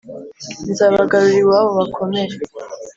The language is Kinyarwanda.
nzabagarura iwabo bakomere,